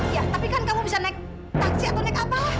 iya tapi kan kamu bisa naik taksi atau naik apa